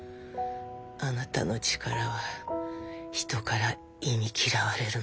あなたの力は人から忌み嫌われるの。